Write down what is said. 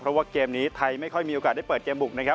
เพราะว่าเกมนี้ไทยไม่ค่อยมีโอกาสได้เปิดเกมบุกนะครับ